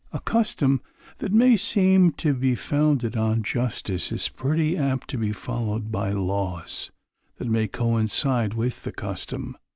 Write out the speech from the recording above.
A custom that may seem to be founded on justice is pretty apt to be followed by laws that may coincide with the custom.